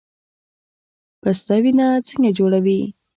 پسته وینه څنګه جوړوي؟